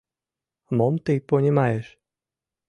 Мом тый понимаешь?